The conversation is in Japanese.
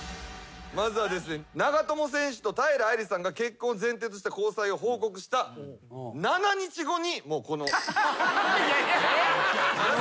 まずは長友選手と平愛梨さんが結婚を前提とした交際を報告した７日後にこの。